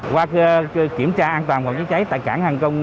qua kiểm tra an toàn vòng chữa cháy tại cảng hàng công